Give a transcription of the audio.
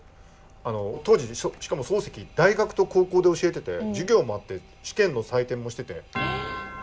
あの当時しかも漱石大学と高校で教えてて授業もあって試験の採点もしてて。